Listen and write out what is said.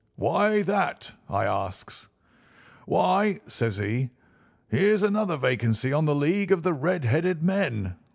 "'Why that?' I asks. "'Why,' says he, 'here's another vacancy on the League of the Red headed Men.